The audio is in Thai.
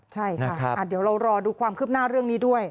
ใช่ค่ะเดี๋ยวเรารอดูความคืบหน้าเรื่องนี้ด้วย